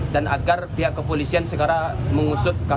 dan agar pihak kepolisian segera mengusut kasus ini dengan cepat